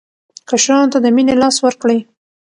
کشرانو ته د مینې لاس ورکړئ.